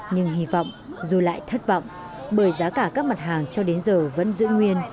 nhưng hy vọng dù lại thất vọng bởi giá cả các mặt hàng cho đến giờ vẫn giữ nguyên